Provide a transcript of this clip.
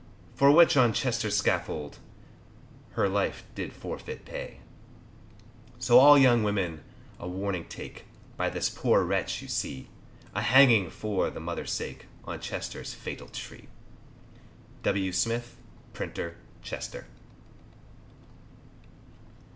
For which on Chester's scaffold, Her life did forfeit pay, So all young women a warning take, By this poor wretch you see, A hanging for the mother's sake On Chester's fatal tree, W. Smith, Printer, Chester.